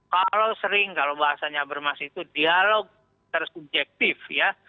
kalau sering kalau bahasanya bermasi itu dialog tersubjektif ya